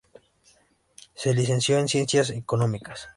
Se licenció en Ciencias Económicas.